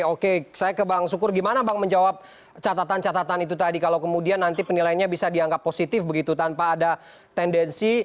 oke saya ke bang sukur gimana bang menjawab catatan catatan itu tadi kalau kemudian nanti penilaiannya bisa dianggap positif begitu tanpa ada tendensi